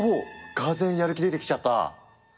がぜんやる気出てきちゃった？